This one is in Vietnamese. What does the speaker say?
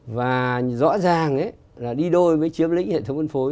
và rõ ràng đi đôi với chiếm lĩnh hệ thống văn phối